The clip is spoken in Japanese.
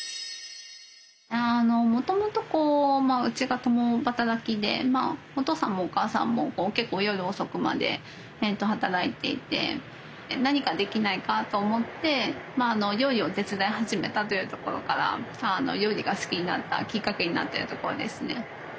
もともとうちが共働きでお父さんもお母さんも結構夜遅くまで働いていて何かできないかと思って料理を手伝い始めたというところから料理が好きになったきっかけになってるところですね。